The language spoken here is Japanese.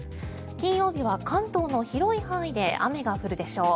金曜日は関東の広い範囲で雨が降るでしょう。